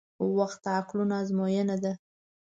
• وخت د عقلونو ازموینه ده.